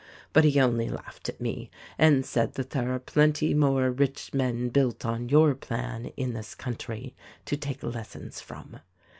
But he only laughed at me and said that there are plenty more rich men built on your plan, in this country, to take lessons from.